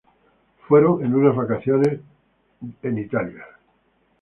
Fueron en unas vacaciones en Italia.